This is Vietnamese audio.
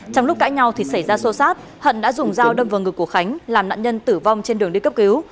trong lúc cãi nhau thì xảy ra xô xát hận đã dùng dao đâm vào ngực của khánh làm nạn nhân tử vong trên đường đi cấp cứu